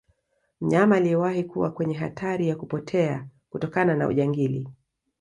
mnyama aliyewahi kuwa kwenye hatari ya kupotea kutokana na ujangili